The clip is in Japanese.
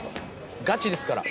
「ガチですから」